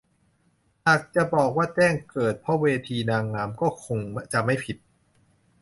หากจะบอกว่าแจ้งเกิดเพราะเวทีนางงามก็คงจะไม่ผิด